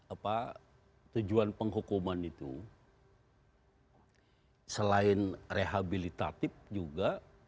apa tujuan penghukuman itu selain rehabilitatif juga